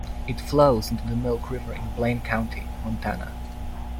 It flows into the Milk River in Blaine County, Montana.